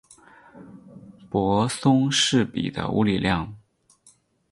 泊松式比的物理量。